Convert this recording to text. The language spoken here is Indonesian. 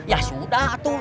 ya sudah atuh